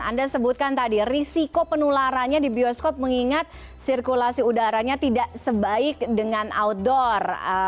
anda sebutkan tadi risiko penularannya di bioskop mengingat sirkulasi udaranya tidak sebaik dengan outdoor